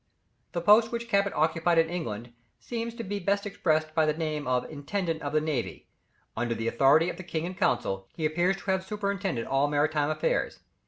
The post which Cabot occupied in England seems to be best expressed by the name of Intendant of the Navy; under the authority of the king and council, he appears to have superintended all maritime affairs.